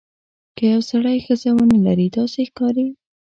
که یو سړی ښځه ونه لري داسې ښکاري.